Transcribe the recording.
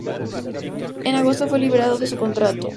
En agosto fue liberado de su contrato.